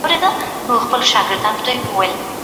څه ډول واقع بینانه هیلي ځان ته وټاکو؟